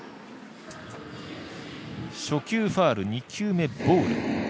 初球、ファウル、２球目、ボール。